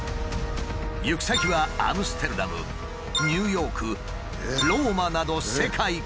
行き先はアムステルダムニューヨークローマなど世界各国。